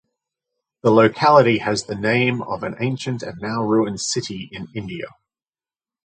The locality has the name of an ancient and now ruined city in India.